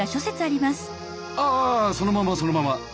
ああそのままそのまま。